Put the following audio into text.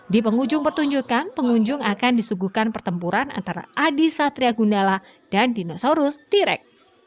di penghujung pertunjukan pengunjung akan disuguhkan pertempuran antara adi satria gundala dan dinosaurus tirek